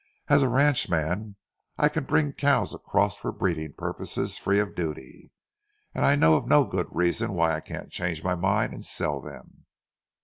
As a ranchman, I can bring the cows across for breeding purposes free of duty, and I know of no good reason why I can't change my mind and sell them.